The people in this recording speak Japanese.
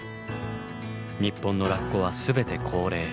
日本のラッコは全て高齢。